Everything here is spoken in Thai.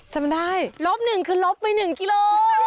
จำได้ลบหนึ่งคือลบไป๑กิโล